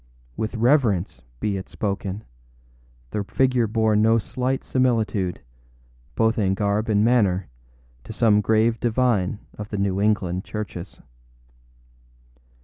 With reverence be it spoken, the figure bore no slight similitude, both in garb and manner, to some grave divine of the New England churches.